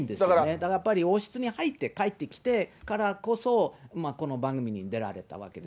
だからやっぱり、王室に入って、帰ってきたからこそ、この番組に出られたわけです。